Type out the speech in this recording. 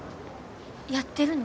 やってるの？